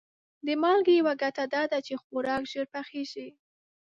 د مالګې یوه ګټه دا ده چې خوراک ژر پخیږي.